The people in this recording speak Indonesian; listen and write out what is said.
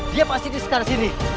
dia pasti di sekitar sini